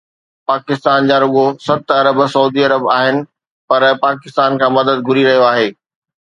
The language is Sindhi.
پاڪستان جا رڳو ست ارب سعودي عرب آهن پر پاڪستان کان مدد گهري رهيو آهي.